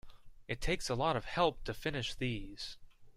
It takes a lot of help to finish these.